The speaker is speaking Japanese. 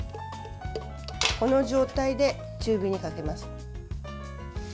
この状態で中火にかけます。